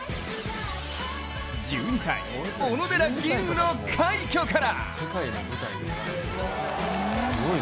１２歳、小野寺吟雲の快挙から。